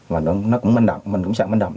và nó cũng manh động mình cũng sợ manh động